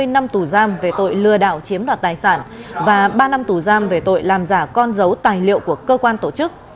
hai mươi năm tù giam về tội lừa đảo chiếm đoạt tài sản và ba năm tù giam về tội làm giả con dấu tài liệu của cơ quan tổ chức